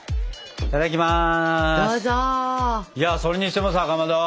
いただきます。